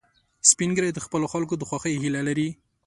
سپین ږیری د خپلو خلکو د خوښۍ هیله لري